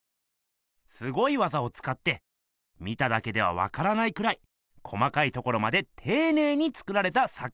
すごい技をつかって見ただけではわからないくらい細かいところまでていねいに作られた作ひんがあるんす。